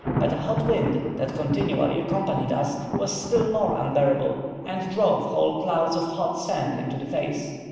but a hot wind, that continually accompanied us, was still more unbearable, and drove whole clouds of hot sand into the face.